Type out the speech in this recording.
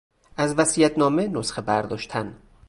از وصیت نامه نسخه برداشتن